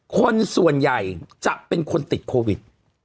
คนส่วนใหญ่จะเป็นคนติดโควิด